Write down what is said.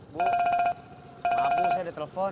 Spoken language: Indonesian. bu maaf saya ada telepon